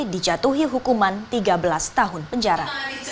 dijatuhi hukuman tiga belas tahun penjara